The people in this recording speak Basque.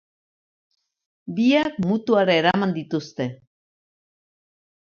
Biak mutuara eraman dituzte.